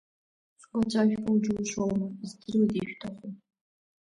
Сгәаҵәа жәпоу џьушьома, издыруеит ишәҭаху…